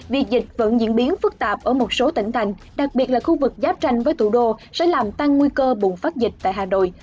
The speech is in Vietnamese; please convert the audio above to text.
việc dịch vẫn diễn biến phức tạp ở một số tỉnh thành đặc biệt là khu vực giáp tranh với thủ đô sẽ làm tăng nguy cơ bùng phát dịch tại hà nội